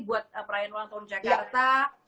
buat perayaan ulang tahun jakarta